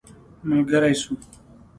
ملګری سو.